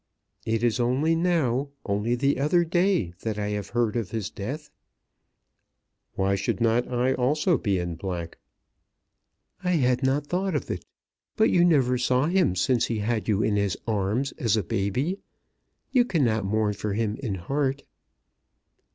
"It is only now, only the other day, that I have heard of his death." "Why should not I also be in black?" "I had not thought of it. But you never saw him since he had you in his arms as a baby. You cannot mourn for him in heart."